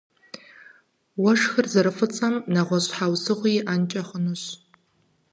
Уэшхыр зэрыфӀыцӀэм нэгъуэщӀ щхьэусыгъуи иӀэнкӀэ хъунущ.